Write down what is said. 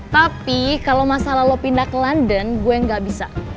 tapi kalo masalah lo pindah ke london gue gak bisa